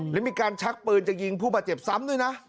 และมีการชักปืนจะยิงผู้บาดเจ็บซ้ำด้วยนะ